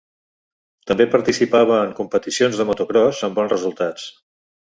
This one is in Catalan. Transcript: També participava en competicions de motocròs amb bons resultats.